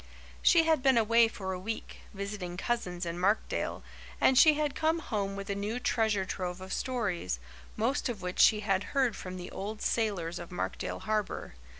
She had been away for a week, visiting cousins in Markdale, and she had come home with a new treasure trove of stories, most of which she had heard from the old sailors of Markdale Harbour.